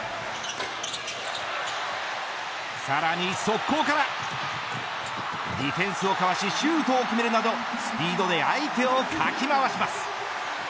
さらに速攻からディフェンスをかわしシュートを決めるなどスピードで相手をかきまわします。